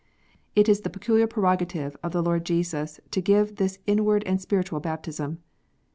It is the peculiar prerogative of the Lord Jesus to give this inward and spiritual baptism.